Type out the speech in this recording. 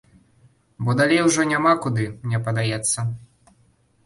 Бо далей ужо няма куды, мне падаецца.